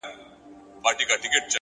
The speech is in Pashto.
خپل وجدان د پرېکړو لارښود کړئ،